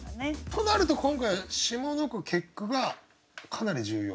となると今回は下の句結句がかなり重要。